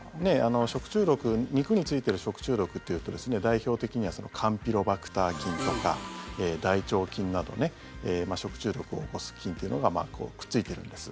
肉についてる食中毒というと代表的にはカンピロバクター菌とか大腸菌などね食中毒を起こす菌っていうのがくっついているんです。